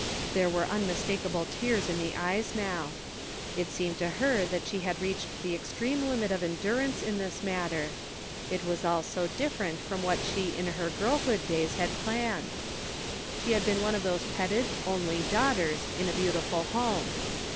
There were unmistakable tears in the eyes now. It seemed to her that she had reached the extreme limit of endurance in this matter. It was all so different from what she in her girlhood days had planned. She had been one of those petted only daughters in a beautiful home.